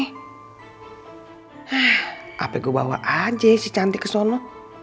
ha apa gua bawa aja si cantik kesana